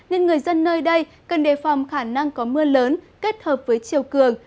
nên người dân nơi đây cần đề phòng khả năng có mưa lớn kết hợp với chiều cường